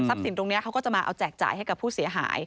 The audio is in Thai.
สินตรงนี้เขาก็จะมาเอาแจกจ่ายให้กับผู้เสียหาย